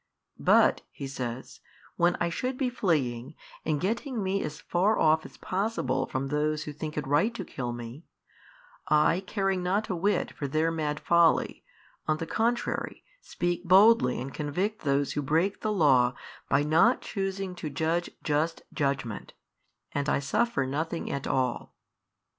But (He says) when I should be fleeing, and getting Me as far off as possible from those who think it right to kill Me, I caring not a whit for their mad folly, on the contrary speak boldly and convict those who break the Law by not choosing to judge just judgment, and I suffer nothing at all.